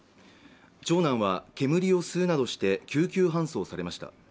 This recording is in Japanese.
長男は煙を吸うなどして救急搬送されました